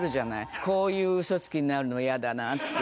こういうウソつきになるのは嫌だなって。